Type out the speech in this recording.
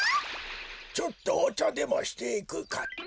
ちょっとおちゃでもしていくかっと。